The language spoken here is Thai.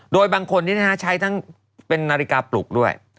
โดยบางคนนี้ใช้ทั้งเป็นนาฬิกาปลุกด้วย